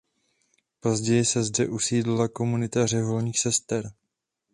Později se zde usadila komunita řeholních sester.